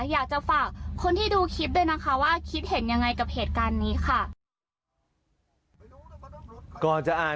ก็จะฝากคนที่ดูคลิปด้วยนะคะว่า